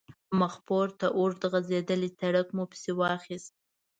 مخپورته اوږد غځېدلی سړک مو پسې واخیست.